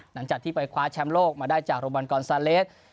หลังจากที่ไปคว้าแชมป์โลกมาได้จากโรบันกรซาเลส